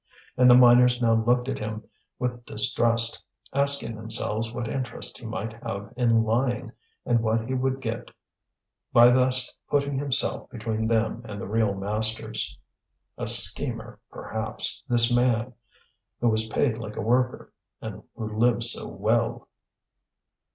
And the miners now looked at him with distrust, asking themselves what interest he might have in lying, and what he would get by thus putting himself between them and the real masters. A schemer, perhaps, this man who was paid like a worker, and who lived so well!